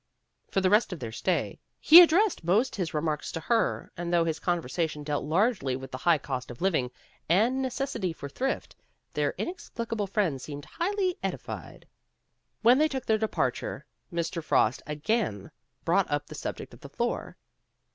For the rest of their stay, he addressed most Ms remarks to her, and though his conversation dealt largely with the high cost of living and the necessity for thrift, their inex plicable friend seemed highly edified. When they took their departure, Mr. Frost again brought up the subject of the floor.